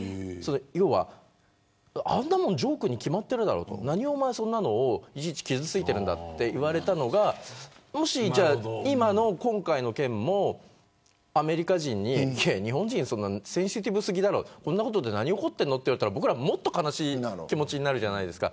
要はあんなもんジョークに決まってるだろと何おまえそんなのをいちいち傷ついてるんだと言われたのがもし、じゃあ今の今回の件もアメリカ人に日本人センシティブ過ぎだろこんなことで何、怒ってるのと言われたら僕らもっと悲しい気持ちになるじゃないですか。